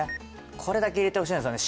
これだけ入れてほしいんすよね